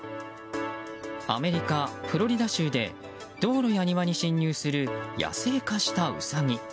アメリカ・フロリダ州で道路や庭に侵入する野生化したウサギ。